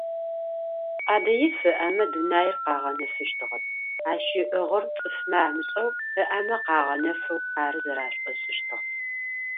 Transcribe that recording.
Ӏадыиф ыӏэмэ дунаир къэгъэнэфыщтыгъэп, ащ ыӏыгъыр цӏыфымэ амышӏэу, ыӏэмэ къагъэнэфэу ары зэрашӏошӏыщтыгъэр…